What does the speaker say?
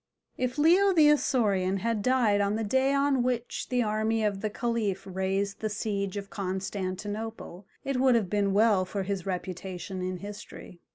If Leo the Isaurian had died on the day on which the army of the Caliph raised the siege of Constantinople it would have been well for his reputation in history.